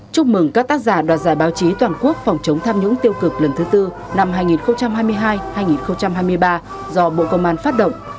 chúc mừng các tác giả đoạt giải báo chí toàn quốc phòng chống tham nhũng tiêu cực lần thứ tư năm hai nghìn hai mươi hai hai nghìn hai mươi ba do bộ công an phát động